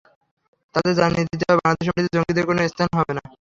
তাদের জানিয়ে দিতে হবে, বাংলাদেশের মাটিতে জঙ্গিদের কোনো স্থান হবে না।